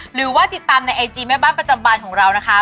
หรือว่าติดตามในไอจีแม่บ้านประจำบานของเรานะคะ